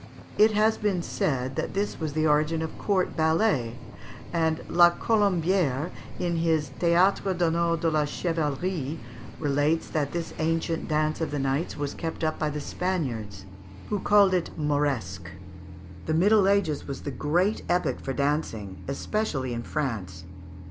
It has been said that this was the origin of court ballets, and La Colombière, in his "Théâtre d'Honneur et de Chevalerie," relates that this ancient dance of the knights was kept up by the Spaniards, who called it the Moresque. The Middle Ages was the great epoch for dancing, especially in France.